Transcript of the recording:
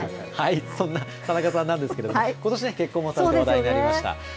そんな田中さんなんですけど、ことしね、結婚もされて話題になりました。